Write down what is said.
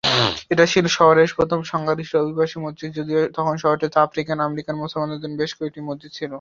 এটি ছিল শহরের প্রথম সংখ্যাগরিষ্ঠ অভিবাসী মসজিদ, যদিও তখন শহরটিতে আফ্রিকান-আমেরিকান মুসলমানদের জন্য বেশ কয়েকটি মসজিদ ছিল।